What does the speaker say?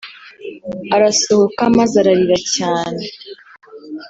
arasohoka maze ararira cyane